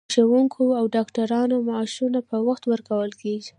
د ښوونکو او ډاکټرانو معاشونه په وخت ورکول کیږي.